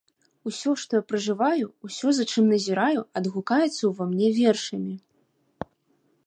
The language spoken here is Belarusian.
Усё, што я пражываю, усё, за чым назіраю, адгукаецца ўва мне вершамі.